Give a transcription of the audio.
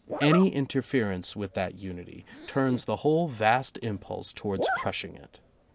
Any interference with that unity turns the whole vast impulse towards crushing it.